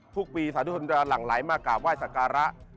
ทุกปีสาธุชนจะหลั่งไหลมากราบไห้สักการะ